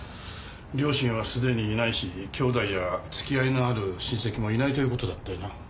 両親はすでにいないし兄弟や付き合いのある親戚もいないという事だったよな。